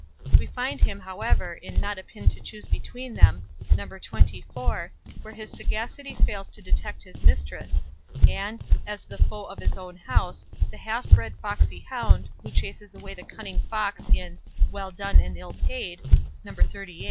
We find him, however, in "Not a Pin to choose between them", No. xxiv, where his sagacity fails to detect his mistress; and, as "the foe of his own house", the half bred foxy hound, who chases away the cunning Fox in "Well Done and Ill Paid", No. xxxviii.